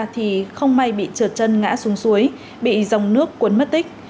thì không may bị trượt chân ngã xuống suối bị dòng nước cuốn mất tích